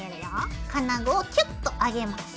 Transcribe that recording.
金具をキュッと上げます。